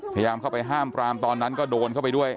พยายามเข้าไปห้ามปรามตอนนั้นก็โดนเข้าไปด้วย